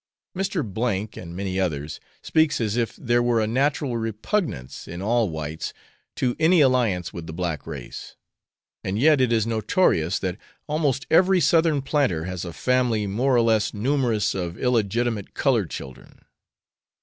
Mr. (and many others) speaks as if there were a natural repugnance in all whites to any alliance with the black race; and yet it is notorious, that almost every Southern planter has a family more or less numerous of illegitimate coloured children.